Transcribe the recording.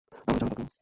আমারও জানা দরকার।